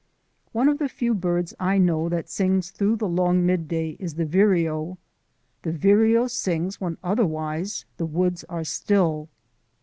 One of the few birds I know that sings through the long midday is the vireo. The vireo sings when otherwise the woods are still.